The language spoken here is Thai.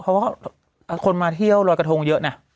เพราะว่าเขาคนมาเที่ยวรอยกาทองเยอะน่ะอ่า